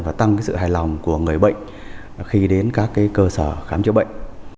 và tăng cái sự hài lòng của người bệnh khi đến các cái cơ sở khám chữa bệnh